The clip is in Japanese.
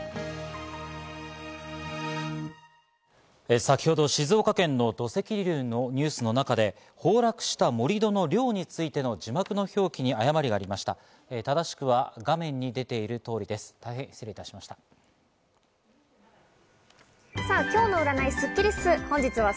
先ほど静岡県の土石流のニュースの中で、崩落した盛り土の量についての字幕の表記に誤りがありました、正しくは画面に出ている通りです。